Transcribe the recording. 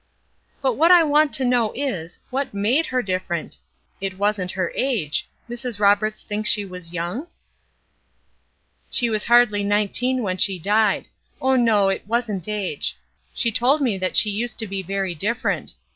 "But what I want to know is, what made her different? It wasn't her age. Mrs. Roberts thinks she was young?" "She was hardly nineteen when she died. Oh, no, it wasn't age; she told me that she used to be very different.